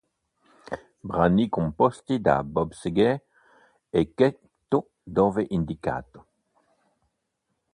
Brani composti da Bob Seger, eccetto dove indicato.